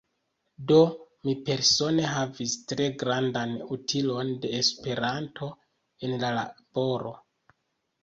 Do mi persone havis tre grandan utilon de Esperanto en la laboro.